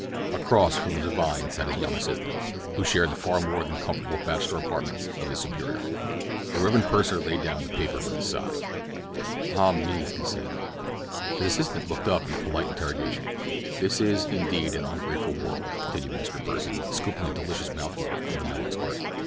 Across from the divine sat his young assistant, who shared the far more than comfortable bachelor apartments of his superior. The Rev. Pursen laid down the paper with a sigh. "Ah me," he said. His assistant looked up in polite interrogation. "This is, indeed, an ungrateful world," continued Mr. Pursen, scooping a delicious mouthful from the melon's heart.